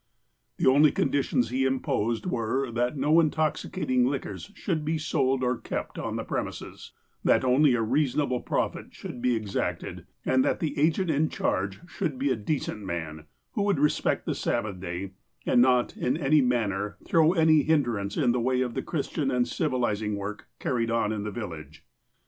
The only conditions he imposed were, that no intoxi cating liquors should be sold or kept on the premises, that only a reasonable profit should be exacted, and that the agent in charge should be a decent man, who would respect the Sabbath day, and not, in any manner, throw any hindrance in the way of the Christian and civilizing work carried on in the village.